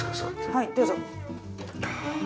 はいどうぞ。